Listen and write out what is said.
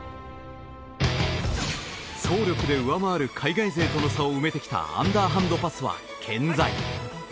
総力で上回る海外勢との距離を詰めてきたアンダーハンドパスは健在。